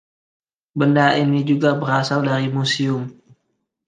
Benda ini juga berasal dari museum.